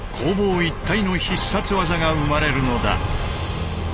一体の必殺技が生まれるのだ。